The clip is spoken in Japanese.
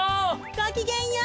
ごきげんよう！